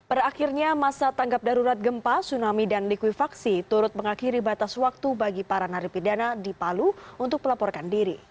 pada akhirnya masa tanggap darurat gempa tsunami dan likuifaksi turut mengakhiri batas waktu bagi para naripidana di palu untuk melaporkan diri